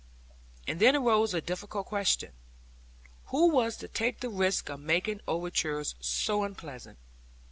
And then arose a difficult question who was to take the risk of making overtures so unpleasant?